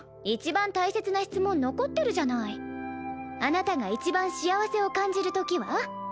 一番大切な質問残ってるじゃないあなたが一番幸せを感じるときは？